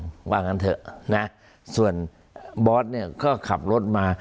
ว่าอย่างนั้นเถอะส่วนบอสก็ขับรถมา